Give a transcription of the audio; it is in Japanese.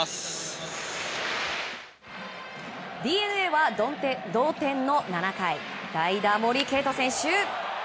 ＤｅＮＡは同点の７回代打、森敬斗選手。